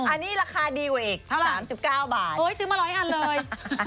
อันนี้ราคาดีเวอร์อีก๓๙บาทเฮ้ยซื้อมา๑๐๐อันเลย